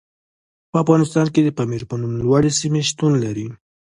په افغانستان کې د پامیر په نوم لوړې سیمې شتون لري.